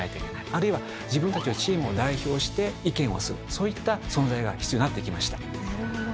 あるいは自分たちのチームを代表して意見をするそういった存在が必要になってきました。